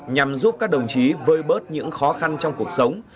nhằm giúp các đồng chí vơi bớt những khó khăn trong cuộc sống